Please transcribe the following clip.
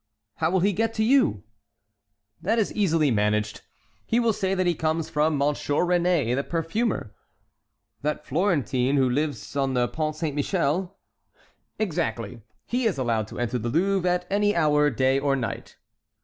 "How will he get to you?" "That is easily managed. He will say that he comes from Monsieur Réné, the perfumer." "That Florentine who lives on the Pont Saint Michel?" "Exactly. He is allowed to enter the Louvre at any hour, day or night."